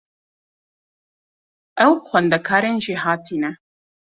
Ew xwendekarên jêhatî ne.